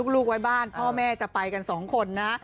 ลูกไว้บ้านพ่อแม่จะไปกันสองคนนะ